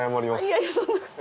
いやいやそんな。